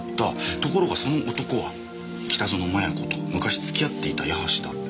ところがその男は北薗摩耶子と昔付き合っていた矢橋だった。